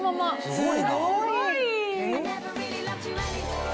すごい！